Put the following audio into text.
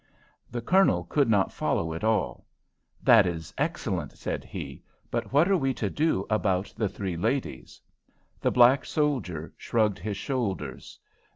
The Colonel could not follow it all, "That is excellent," said he. "But what are we to do about the three ladies?" The black soldier shrugged his shoulders.